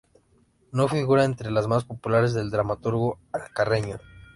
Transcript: No figura entre las más populares del dramaturgo alcarreño.